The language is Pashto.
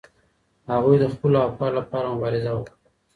هغوی د خپلو افکارو لپاره مبارزه وکړه.